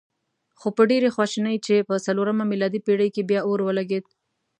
خو په ډېرې خواشینۍ چې په څلورمه میلادي پېړۍ کې بیا اور ولګېد.